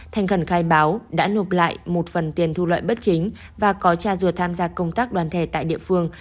thành khẩn khai báo đã nộp lại một phần tiền thu lợi bất chính và có cha ruột tham gia công tác đoàn thể tại địa phương